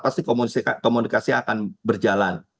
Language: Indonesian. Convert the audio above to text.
pasti komunikasi akan berjalan